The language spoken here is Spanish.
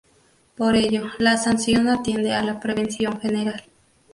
Por ello, la sanción atiende a la prevención general.